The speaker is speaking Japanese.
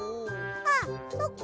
あっそっか。